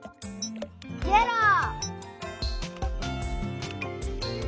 イエロー！